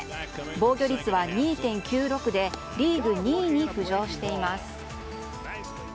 防御率は２．９６でリーグ２位に浮上しています。